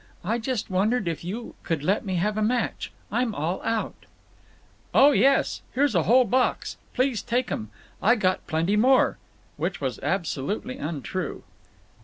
I just wondered if you could let me have a match? I'm all out." "Oh yes! Here's a whole box. Please take 'em. I got plenty more." [Which was absolutely untrue.